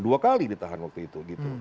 dua kali ditahan waktu itu